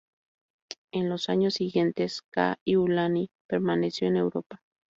En los años siguientes, Kaʻiulani permaneció en Europa.